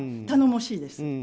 頼もしいです。